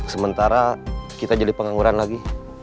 sementara kita jadi pengangguran lagi